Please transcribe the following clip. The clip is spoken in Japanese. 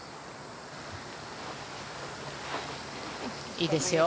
いいですよ。